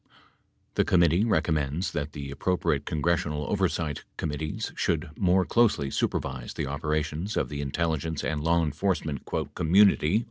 The committee recommends that the appropriate congres sional oversight committees should more closely supervise the operations of the intelligence and law enforcement "community."